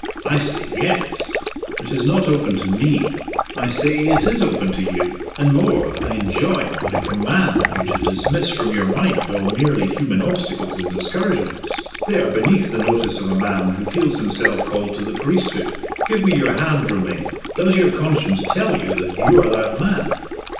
"I say, Yes!" "It is not open to Me!" "I say it is open to You. And more I enjoin, I command, you to dismiss from your mind all merely human obstacles and discouragements. They are beneath the notice of a man who feels himself called to the priesthood. Give me your hand, Romayne! Does your conscience tell you that you are that man?"